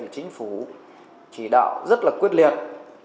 chính phủ chỉ đạo rất là quyết liệt